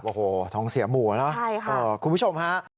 โอ้โหท้องเสียหมู่แล้วหรอคุณผู้ชมฮะใช่ค่ะ